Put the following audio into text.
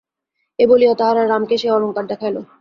এই বলিয়া তাহারা রামকে সেই অলঙ্কার দেখাইল।